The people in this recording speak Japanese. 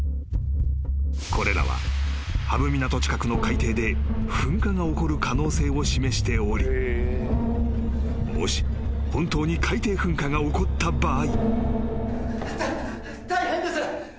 ［これらは波浮港近くの海底で噴火が起こる可能性を示しておりもし本当に海底噴火が起こった場合］